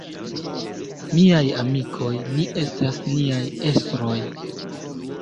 Miaj amikoj, ni estas niaj estroj.